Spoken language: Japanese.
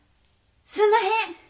すんまへん！